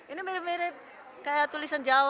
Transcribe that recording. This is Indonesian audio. ini mirip mirip kayak tulisan jawa